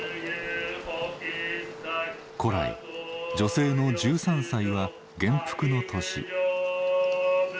古来女性の１３歳は元服の年。